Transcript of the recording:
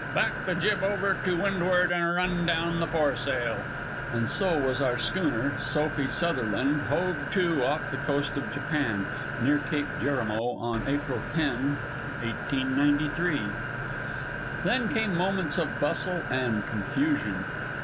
Back the jib over to windward and run down the foresail!" And so was our schooner Sophie Sutherland hove to off the Japan coast, near Cape Jerimo, on April 10, 1893. Then came moments of bustle and confusion.